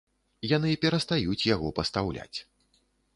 Яны перастаюць яго пастаўляць.